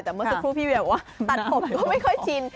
แต่เมื่อเสียครู่พี่เวียว่ามันตัดมนตร์ก็ไม่ค่อยชิน